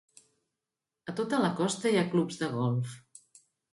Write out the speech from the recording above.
A tota la costa hi ha clubs de golf.